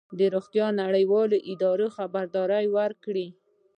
د روغتیا نړیوالې ادارې خبرداری ورکړی